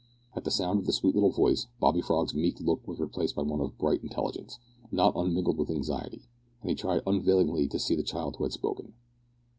At the sound of the sweet little voice, Bobby Frog's meek look was replaced by one of bright intelligence, not unmingled with anxiety, as he tried unavailingly to see the child who had spoken.